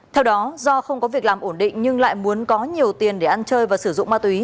theo đó do không có việc làm ổn định nhưng lại muốn có nhiều tiền để ăn chơi và sử dụng ma túy